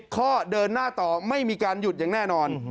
ข้อเดินหน้าต่อไม่มีการหยุดอย่างแน่นอน